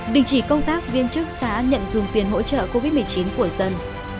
đình chỉ công tác viên chức xã nhận dùng tiền hỗ trợ covid một mươi chín của dân